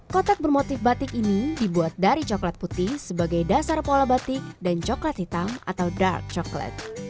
kotak bermotif batik ini dibuat dari coklat putih sebagai dasar pola batik dan coklat hitam atau dark coklat